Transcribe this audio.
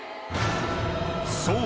［そう。